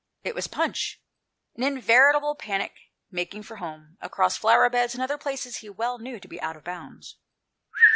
It was Punch, in veritable panic, making for home, across jBlower beds and other places he well knew to be out of bounds.